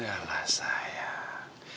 gak lah sayang